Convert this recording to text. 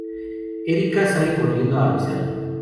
Erica sale corriendo a avisar.